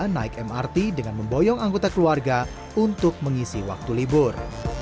naik mrt dengan memboyong anggota keluarga untuk mengisi waktu libur